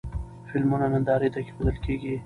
فلمونه نندارې ته کېښودل کېدل.